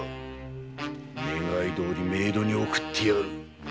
願いどおり冥途に送ってやる！